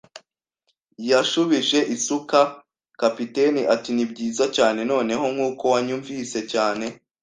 yashubije isuka. Kapiteni ati: "Nibyiza cyane." “Noneho, nkuko wanyumvise cyane